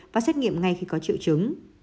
và xét nghiệm ngay khi có triệu chứng